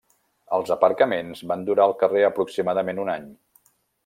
Els aparcaments van durar al carrer aproximadament un any.